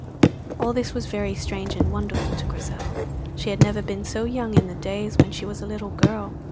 All this was very strange and wonderful to Grizel. She had never been so young in the days when she was a little girl.